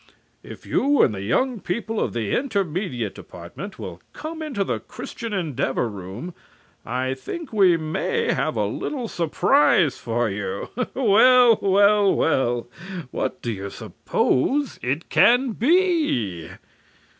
'If you and the young people of the Intermediate Department will come into the Christian Endeavor room, I think we may have a little surprise for you ...' Well, well, well! What do you suppose it can be?